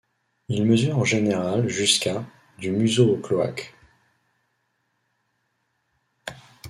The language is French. Ils mesurent en général jusqu'à du museau au cloaque.